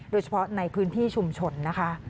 โดยเฉพาะในพื้นที่ชุมชนนะคะ